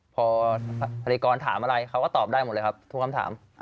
พอพิธีกรถามอะไรเขาก็ตอบได้หมดเลยครับทุกคำถาม